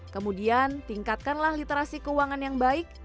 kemudian tingkatkanlah literasi keuangan yang baik